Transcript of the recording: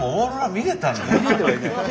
見れてはいない。